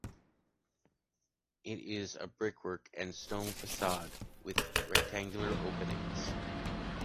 It is a brickwork and stone façade with rectangular openings.